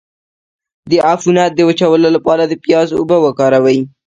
د عفونت د وچولو لپاره د پیاز اوبه وکاروئ